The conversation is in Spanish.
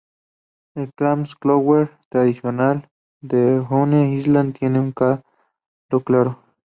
El "clam chowder" tradicional de Rhode Island tiene un caldo claro.